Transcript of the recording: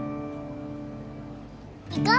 行こう。